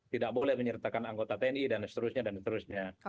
tidak boleh menyertakan anggota tni dan seterusnya